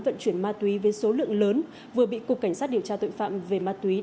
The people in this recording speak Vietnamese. vận chuyển ma túy với số lượng lớn vừa bị cục cảnh sát điều tra tội phạm về ma túy